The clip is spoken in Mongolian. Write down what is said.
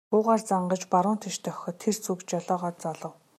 Буугаар зангаж баруун тийш дохиход тэр зүг жолоогоо залав.